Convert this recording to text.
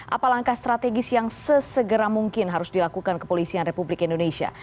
apa langkah strategis yang sesegera mungkin harus dilakukan kepolisian republik indonesia